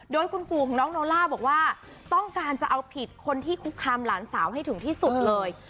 โดยคุณปู่ของน้องโนล่าบอกว่าต้องการจะเอาผิดคนที่คุกคามหลานสาวให้ถึงที่สุดเลย